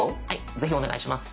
ぜひお願いします。